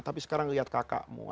tapi sekarang lihat kakakmu